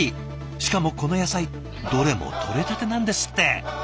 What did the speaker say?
しかもこの野菜どれもとれたてなんですって！